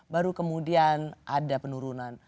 baru kemudian ada penurunan